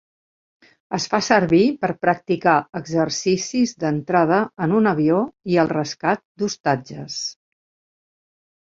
Es fa servir per practicar exercicis d'entrada en un avió i el rescat d'ostatges.